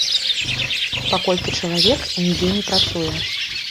Паколькі чалавек нідзе не працуе.